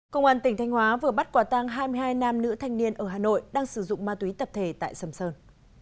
công an tỉnh thanh hóa vừa bắt quả tăng hai mươi hai nam nữ thanh niên ở hà nội đang sử dụng ma túy tập thể tại sầm sơn